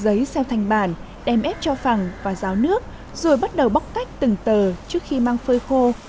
giấy xeo thành bản đem ép cho phẳng và ráo nước rồi bắt đầu bóc cách từng tờ trước khi mang phơi khô